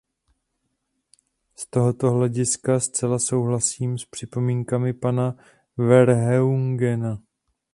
Z tohoto hlediska zcela souhlasím s připomínkami pana Verheugena.